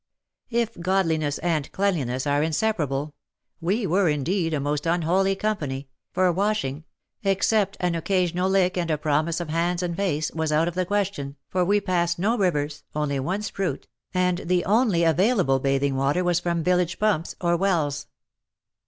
If godliness and cleanliness are inseparable, we were indeed a most un holy company, for washing — except an oc casional lick and a promise of hands and face, was out of the question, for we passed no rivers, only one spruit, and the only available bathing water was from village pumps or wells.